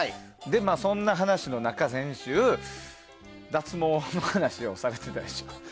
そんな話の中、先週脱毛の話をされてたでしょ。